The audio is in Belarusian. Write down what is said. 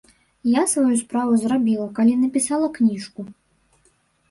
Я сваю справу зрабіла, калі напісала кніжку.